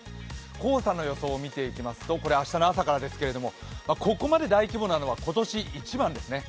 黄砂の予想を見ていきますが、これは明日の朝からですけども、ここまで大規模なのは今年一番ですね。